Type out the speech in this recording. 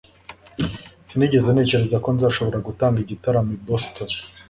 sinigeze ntekereza ko nzashobora gutanga igitaramo i boston